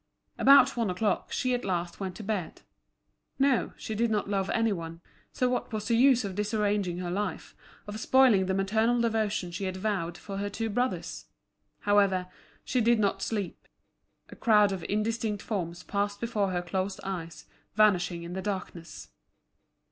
About one o'clock she at last went to bed. No, she did not love any one. So what was the use of disarranging her life, of spoiling the maternal devotion she had vowed for her two brothers? However, she did not sleep; a crowd of indistinct forms passed before her closed eyes, vanishing in the darkness.